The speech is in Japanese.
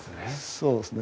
そうですね。